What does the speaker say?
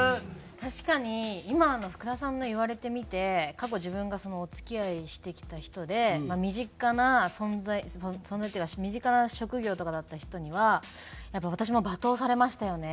確かに今の福田さんの言われてみて過去自分がお付き合いしてきた人で身近な存在存在っていうか身近な職業とかだった人にはやっぱ私も罵倒されましたよね。